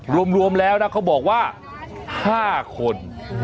รวมแล้วนะเขาบอกว่า๕คน